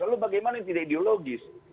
lalu bagaimana yang tidak ideologis